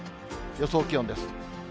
予想気温です。